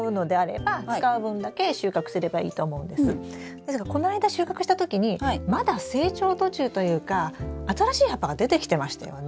ですがこの間収穫した時にまだ成長途中というか新しい葉っぱが出てきてましたよね？